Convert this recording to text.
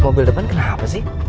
mobil depan kenapa sih